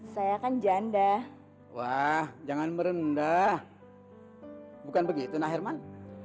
saya kan janda wah jangan merendah bukan begitu nah herman